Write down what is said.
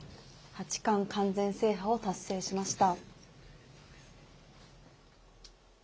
八冠完全制覇を達成しました。